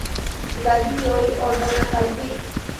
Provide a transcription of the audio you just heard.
La dioj ordonas al vi!